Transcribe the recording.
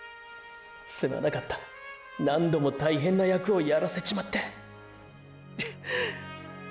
すまなかった何度も大変な役をやらせちまってクッ。